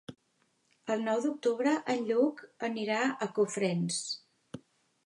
El nou d'octubre en Lluc anirà a Cofrents.